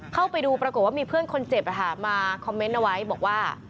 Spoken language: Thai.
เข้าไปดูปรากฏว่ามีเพื่อนคนเจ็บมาคอมเมนต์เอาไว้บอกว่า